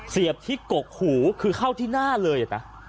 เสียบที่กกหูคือเข้าที่หน้าเลยนะ